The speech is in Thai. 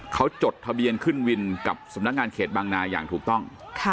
เขาจดทะเบียนขึ้นวินกับสำนักงานเขตบางนาอย่างถูกต้อง